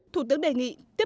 thủ tướng đề nghị